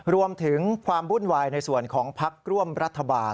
รวมถึงความวุ่นวายในส่วนของพักร่วมรัฐบาล